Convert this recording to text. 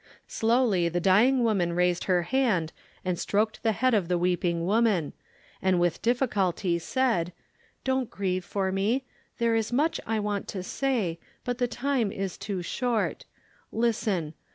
Slowly the dying woman raised her hand and stroked the head of the weeping woman, and with difficulty said, "Don't grieve for me. There is much I want to say, but the time is too short. Listen!